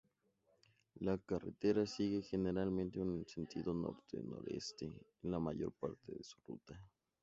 La carretera sigue generalmente un sentido norte-noreste en la mayor parte de su ruta.